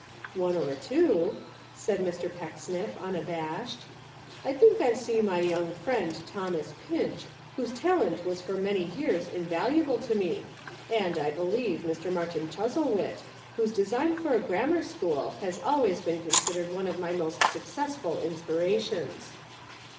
"One or two," said Mr. Pecksniff unabashed. "I think I see my young friend Thomas Pinch, whose talent was for many years invaluable to me, and, I believe, Mr. Martin Chuzzlewit, whose design for a grammar school has always been considered one of my most successful in spirations."